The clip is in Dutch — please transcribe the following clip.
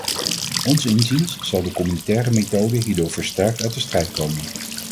Ons inziens zal de communautaire methode hierdoor versterkt uit de strijd komen.